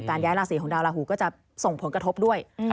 ย้ายราศีของดาวราหูก็จะส่งผลกระทบด้วย